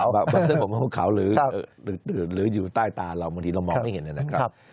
บางตาหรืออยู่ใต้ตาเราบางทีเรามองไม่เห็นเลยนะครับ